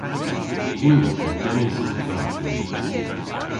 Hwi a veu genys yn klavji.